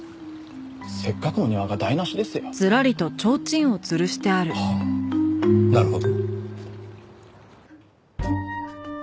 せっかくの庭が台無しですよ。はあなるほど。